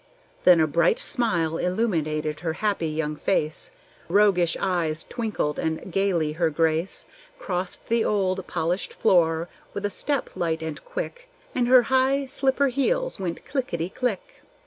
Then a bright smile illumined her happy young face, Her roguish eyes twinkled, and gayly Her Grace Crossed the old polished floor with a step light and quick, And her high slipper heels went clickety click.